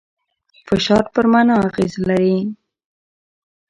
فشار پر مانا اغېز لري.